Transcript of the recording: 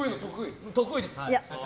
得意です。